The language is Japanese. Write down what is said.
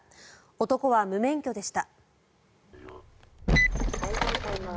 男は無免許でした。